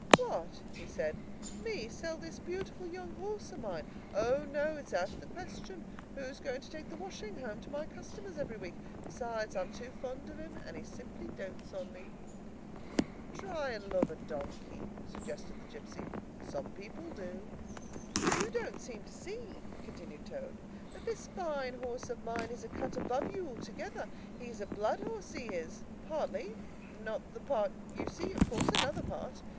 "What?" he said, "me sell this beautiful young horse of mine? O, no; it's out of the question. Who's going to take the washing home to my customers every week? Besides, I'm too fond of him, and he simply dotes on me." "Try and love a donkey," suggested the gipsy. "Some people do." "You don't seem to see," continued Toad, "that this fine horse of mine is a cut above you altogether. He's a blood horse, he is, partly; not the part you see, of course—another part.